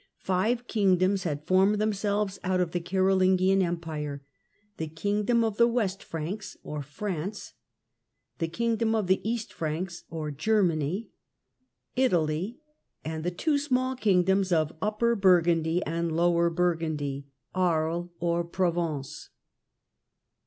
five kingdoms had formed themselves out of the Carol ingian Empire: — the kingdom of the West Franks, or France, the kingdom of the East Franks, or Germany, Italy, and the two small kingdoms of Upper Burgundy, and Lower Burgundy, Aries, or Provence.